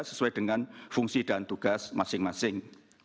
sesuai dengan fungsi dan tugas masing masing